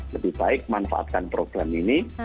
lebih baik manfaatkan program ini